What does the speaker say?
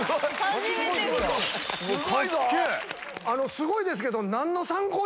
すごいですけど。